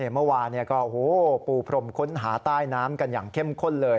เมื่อวานก็ปูพรมค้นหาใต้น้ำกันอย่างเข้มข้นเลย